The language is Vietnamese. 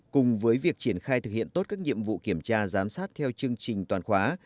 cùng với việc triển khai thực hiện tốt các nhiệm vụ kiểm tra giám sát theo chương trình toàn khóa